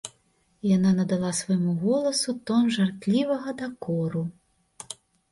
Яна надала свайму голасу тон жартлівага дакору.